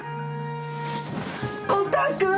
コタくん！